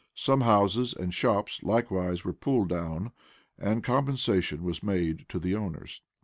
Some houses and shops likewise were pulled down, and compensation was made to the owners.